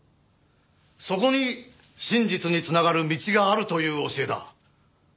そこに真実に繋がる道があるという教えだ。